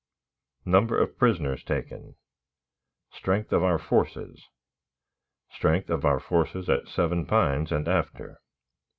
Number of Prisoners taken. Strength of our Forces. Strength of our Forces at Seven Pines and after.